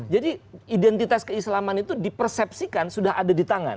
jadi identitas keislaman itu di persepsikan sudah ada di tangan